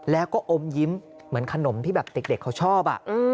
แล้วก็อมยิ้มเหมือนขนมที่แบบเด็กเขาชอบ